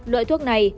loại thuốc này